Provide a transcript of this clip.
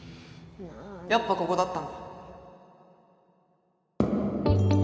やっぱここだったんだ。